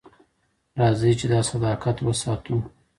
راځئ چې دا صداقت وساتو.